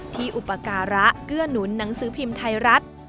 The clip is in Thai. อุปการะเกื้อหนุนหนังสือพิมพ์ไทยรัฐ